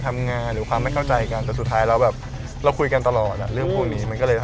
ไม่ใช่เรื่องเจอกันเลยนะครับ